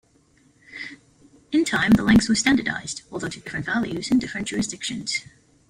In time the lengths were standardized, although to different values in different jurisdictions.